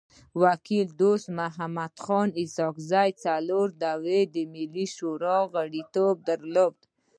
وکيل دوست محمد خان اسحق زی څلور دوري د ملي شورا غړیتوب درلود.